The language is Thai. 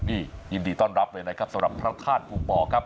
นี่ยินดีต้อนรับเลยนะครับสำหรับพระธาตุภูปอครับ